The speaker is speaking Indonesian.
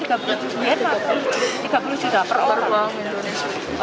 per orang indonesia